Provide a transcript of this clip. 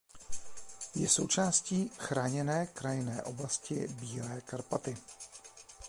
Je součástí Chráněné krajinné oblasti Bílé Karpaty.